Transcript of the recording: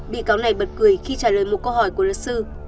bị cáo này bật cười khi trả lời một câu hỏi của luật sư